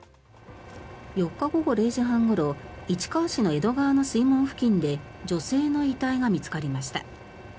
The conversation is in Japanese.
４日午後０時半ごろ市川市の江戸川の水門付近で女性の遺体が見つかりました。